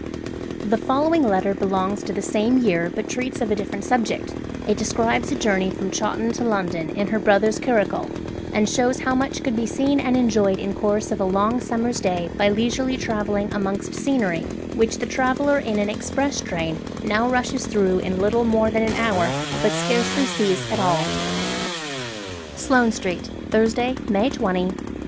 The following letter belongs to the same year, but treats of a different subject. It describes a journey from Chawton to London, in her brother's curricle, and shows how much could be seen and enjoyed in course of a long summer's day by leisurely travelling amongst scenery which the traveller in an express train now rushes through in little more than an hour, but scarcely sees at all: 'Sloane Street, Thursday, May 20 (1813).